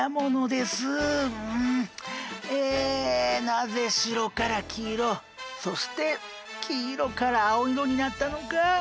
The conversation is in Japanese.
なぜ白から黄色そして黄色から青色になったのか！